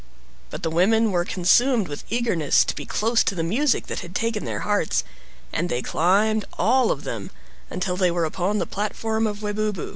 But the women were consumed with eagerness to be close to the music which had taken their hearts, and they climbed, all of them, until they were upon the platform of Webubu.